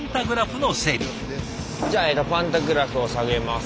じゃあえっとパンタグラフを下げます。